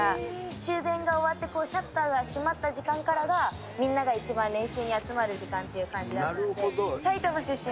終電が終わってシャッターが閉まった時間からが、みんなが一番練習に集まる時間っていう感じだったんで。